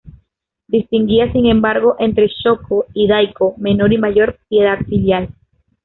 Distinguía, sin embargo, entre sho-kō y dai-kō: menor y mayor piedad filial.